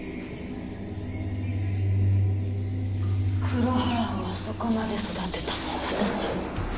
黒原をあそこまで育てたのは私よ。